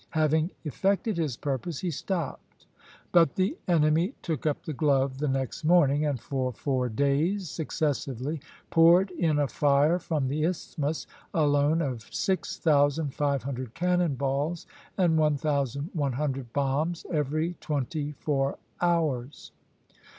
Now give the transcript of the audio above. Having effected his purpose, he stopped; but the enemy took up the glove the next morning, and for four days successively poured in a fire from the isthmus alone of six thousand five hundred cannon balls and one thousand one hundred bombs every twenty four hours.